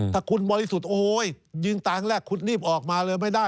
ถ้าคุณบริสุทธิ์โอ้ยยิงตางแรกคุณรีบออกมาเลยไม่ได้